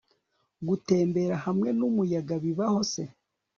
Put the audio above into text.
gutembera hamwe numuyaga bibaho se